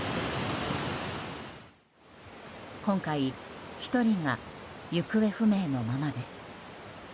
今回、１人が行方不明のままです。